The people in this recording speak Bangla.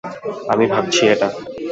আমি ভাবছি এটা।